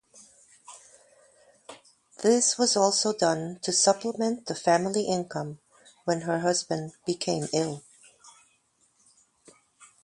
This was also done to supplement the family income when her husband became ill.